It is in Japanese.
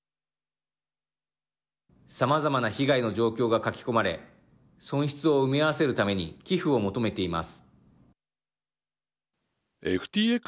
さまざまな被害の状況が書き込まれ損失を埋め合わせるために寄付を求めています。